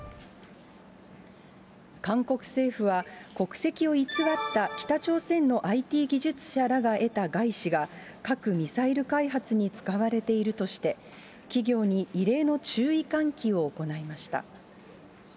韓国政府は、国籍を偽った北朝鮮のＩＴ技術者らが得た外資が、核・ミサイル開発に使われているとして、企業に異例の注意喚起を行いました。